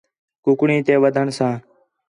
کُکڑیں تے وڈھݨ ساں